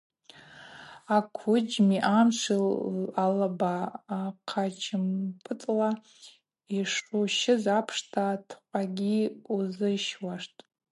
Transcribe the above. Аквыджьми амшви алаба хъачымпӏытӏла йшущыз апшта атӏкъвагьи узыщуаштӏ.